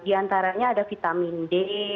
di antaranya ada vitamin d